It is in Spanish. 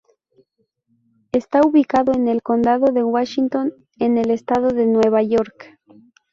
Está ubicado en el condado de Washington, en el estado de Nueva York.